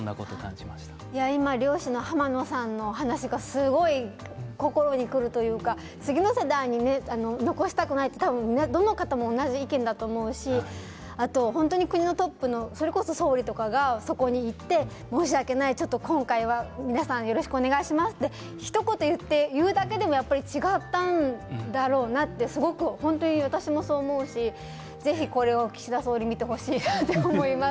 今、漁師の濱野さんのお話がすごく心にくるというか次の世代に残したくないというのは、どの方も同じ意見だと思うし国のトップのそれこそ総理とかがそこに行って、申し訳ない今回は皆さんよろしくお願いしますとひと言言うだけでもやっぱり違ったんだろうなと私もそう思うしぜひ、これを岸田総理見てほしいなと思います。